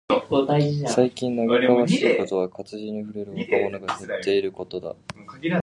最近嘆かわしいことは、活字に触れる若者が減っていることだ。